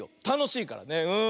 たのしいからね。